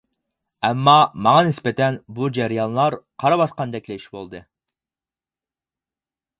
ئەمما ماڭا نىسبەتەن بۇ جەريانلار قارا باسقاندەكلا ئىش بولدى.